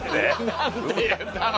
なんて言ったの？